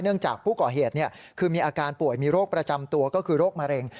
จากผู้ก่อเหตุคือมีอาการป่วยมีโรคประจำตัวก็คือโรคมะเร็ง